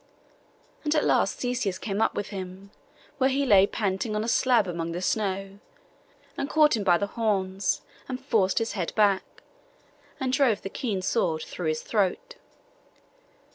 [Picture: Theseus and Minotaur] And at last Theseus came up with him, where he lay panting on a slab among the snow, and caught him by the horns, and forced his head back, and drove the keen sword through his throat.